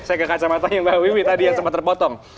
saya ke kacamatanya mbak wiwi tadi yang sempat terpotong